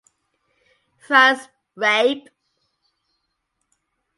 Franz Rabe.